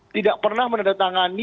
tidak pernah menandatangani